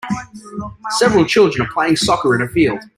Several children are playing soccer in a field.